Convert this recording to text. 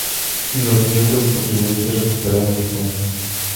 Los miembros y contribuyentes recuperaron los fondos.